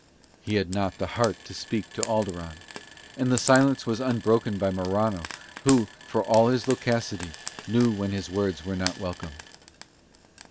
He had not the heart to speak to Alderon, and the silence was unbroken by Morano who, for all his loquacity, knew when his words were not welcome.